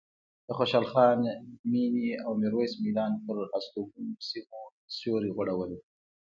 د خوشحال خان مېنې او میرویس میدان پر هستوګنو سیمو سیوری غوړولی.